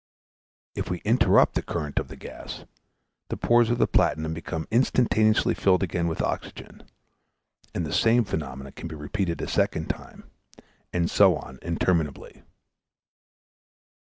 If we interrupt the current of the gas, the pores of the platinum become instantaneously filled again with oxygen; and the same phenomenon can be repeated a second time, and so on interminably.